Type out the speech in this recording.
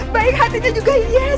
baik hatinya juga yes